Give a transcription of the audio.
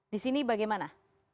di sini bagaimana